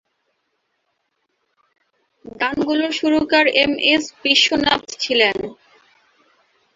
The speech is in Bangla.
গানগুলোর সুরকার এম এস বিশ্বনাথ ছিলেন।